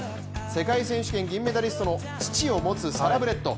世界選手権銀メダリストの父を持つサラブレッド。